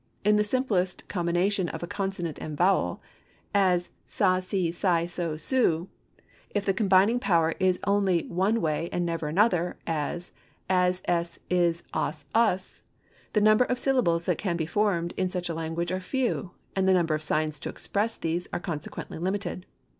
In the simplest combination of a consonant and vowel, as sa, se, si, so, su, if the combining power is only one way and never another, as as, es, is, os, us, the number of syllables that can be formed in such a language are few, and the number of signs to express these are consequently limited.